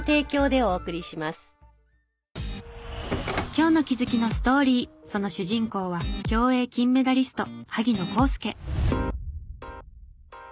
今日の気づきのストーリーその主人公は競泳金メダリスト萩野公介。